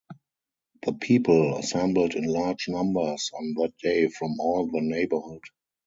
The people assembled in large numbers on that day from all the neighborhood.